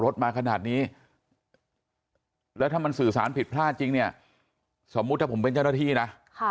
จนมาถ่ายรูปจนเสร็จนะ